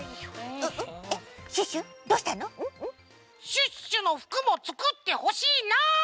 シュッシュのふくもつくってほしいなあって！